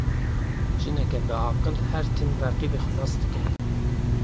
Jineke biaqil, her tim reqîbê xwe nas dike.